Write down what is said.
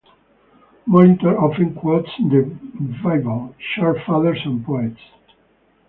Molitor often quotes the Bible, Church Fathers and poets.